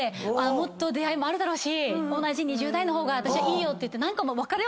もっと出会いもあるだろうし同じ２０代の方がいいよって言って何回も。